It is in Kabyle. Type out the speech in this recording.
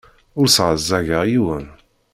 Ur sseɛẓageɣ yiwen.